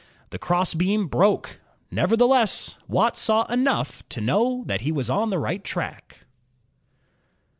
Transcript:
The cross ' beam broke. Nevertheless, Watt saw enough to know that he was on the right track.